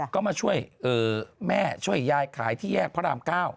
ก็มาช่วยแม่ช่วยยายขายที่แยกพระราม๙